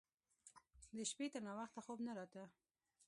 د شپې تر ناوخته خوب نه راته.